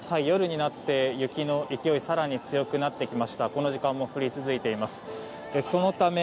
夜になって雪の勢い更に強くなってきました。